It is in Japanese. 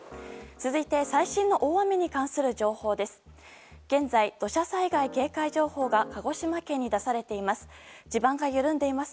続いて最新の大雨に関する情報です。